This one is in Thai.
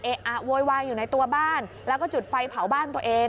อะโวยวายอยู่ในตัวบ้านแล้วก็จุดไฟเผาบ้านตัวเอง